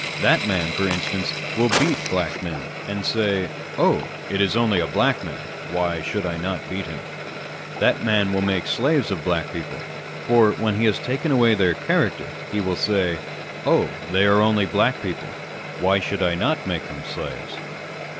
That man, for instance, will beat Black men, and say, Oh, it is only a Black man, why should not I beat him ? That man will make slaves of Black people ; for, when he has taken away their character, he will say, Oh9 they are only Black people, why should not I make them slaves